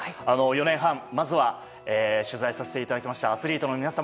４年半、まずは取材させていただきましたアスリートの皆様